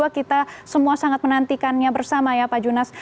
kita semua sangat menantikannya bersama ya pak junas